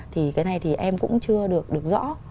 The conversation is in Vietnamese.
thì cái này thì em cũng chưa được rõ